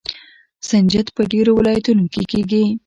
سنجد په ډیرو ولایتونو کې کیږي.